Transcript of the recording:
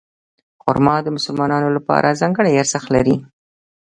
خرما د مسلمانانو لپاره ځانګړی ارزښت لري.